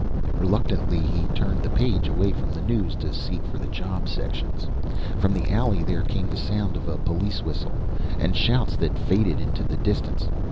Reluctantly he turned the page away from the news, to seek for the job sections. From the alley, there came the sound of a police whistle, and shouts that faded into the distance.